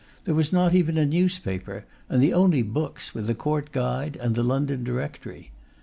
There was not even a newspaper; and the only books were the Court Guide and the London Directory.